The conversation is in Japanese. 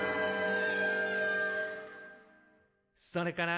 「それから」